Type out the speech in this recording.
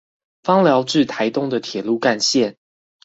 枋寮至臺東的鐵路幹線